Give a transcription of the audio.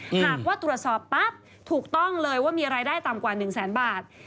หากว่าตรวจสอบปั๊บถูกต้องเลยว่ามีรายได้ต่ำกว่า๑แสนบาท